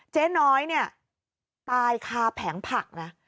เจ๊น้อยเนี่ยตายคาแผงผักนะ